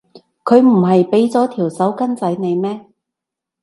佢唔係畀咗條手巾仔你咩？